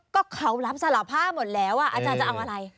ก็เขารับสารภาพหมดแล้วอาจารย์จะเอาอะไร